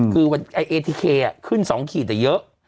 คือเอทีเคขึ้น๒ขีดแต่เยอะ